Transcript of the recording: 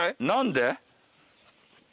何で？